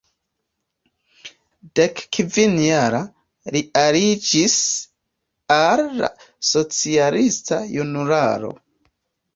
Dekkvin-jara, li aliĝis al la socialista Junularo.